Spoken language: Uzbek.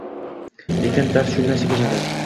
Lekin dard shu bilan chekinmadi.